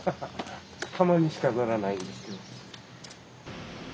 たまにしか乗らないんですけど。